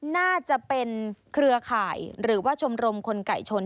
น่าจะเป็นเครือข่ายหรือว่าชมรมคนไก่ชน